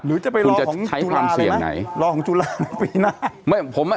หรือจะไปรอของจุฬาเลยนะรอของจุฬาปีหน้าคุณจะใช้ความเสี่ยงไหน